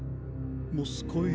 モスコイ。